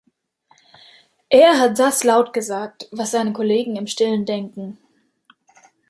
Er hat das laut gesagt, was seine Kollegen im Stillen denken.